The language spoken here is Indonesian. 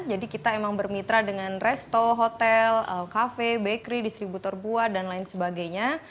jadi kita emang bermitra dengan resto hotel cafe bakery distributor buah dan lain sebagainya